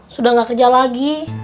sudah gak kerja lagi